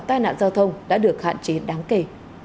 tai nạn giao thông đã được hạn chế đáng kể